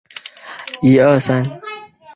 白尾鼹属等之数种哺乳动物。